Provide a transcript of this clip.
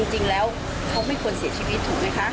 จริงแล้วเขาไม่ควรเสียชีวิตถูกไหมคะ